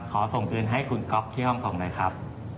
ขอส่งเงินให้คุณก๊อบที่ห้องส่งเลยครับ